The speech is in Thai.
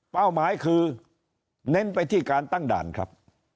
หมายคือเน้นไปที่การตั้งด่านครับ